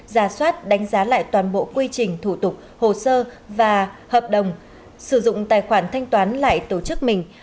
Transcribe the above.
ra soát đánh giá lại toàn bộ quy trình thủ tục hồ sơ và hợp đồng sử dụng tài khoản thanh toán lại tổ chức mình